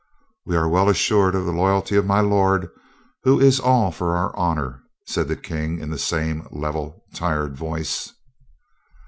"We are well assured of the loyalty of my lord, who is all for our honor," said the King in the same level, tired voice.